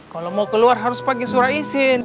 kalo mau keluar harus pake surat isin